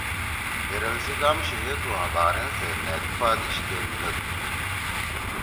دیرل سی گام شیو تُھو آں بحرین سیت نھید پآ دیِش کے میِلیِدتُو۔